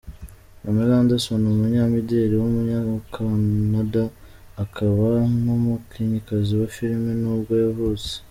Pamela Anderson, umunyamideli w’umunyakanada akaba n’umukinnyikazi wa filime nibwo yavutse.